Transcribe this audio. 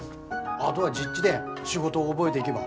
あどは実地で仕事を覚えでいげば。